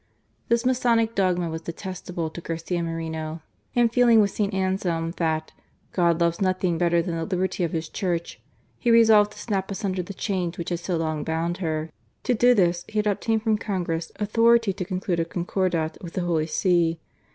This Masonic dogma was detestable to Garcia Moreno, and feeling with St. Anselm that " God loves nothing better that the liberty of His Church," he resolved to snap asunder the chains which had so long bound her. To do this he had obtained from Congress authority to conclude a Concordat with the Holy See.